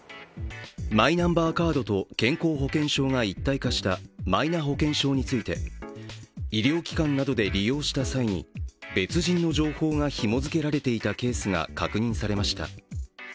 マイナンバーカードと健康保険証が一体化したマイナ保険証について、医療機関などで利用した際に別人の情報がひも付けられていたケースが確認されました。